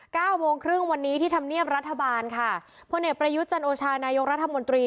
เก้าโมงครึ่งวันนี้ที่ธรรมเนียบรัฐบาลค่ะพลเอกประยุทธ์จันโอชานายกรัฐมนตรี